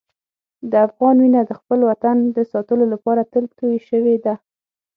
د افغان وینه د خپل وطن د ساتلو لپاره تل تویې شوې ده.